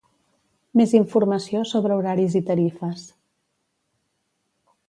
Més informació sobre horaris i tarifes.